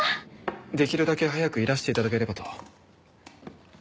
できるだけ早くいらして頂ければと。